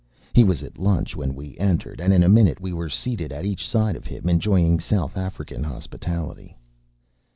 He was at lunch when we entered; and in a minute we were seated at each side of him, enjoying South African hospitality.